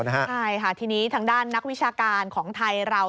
ใช่ค่ะทีนี้ทางด้านนักวิชาการของไทยเรา